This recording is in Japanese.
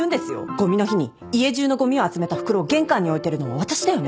「ごみの日に家中のごみを集めた袋を玄関に置いてるのは私だよね？」